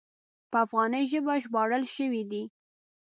په افغاني ژبه ژباړل شوی دی.